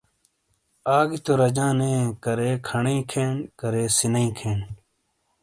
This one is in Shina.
آگی تو راجاں نے کارے کھنئیے کھین کارے سِنیئی کھین ۔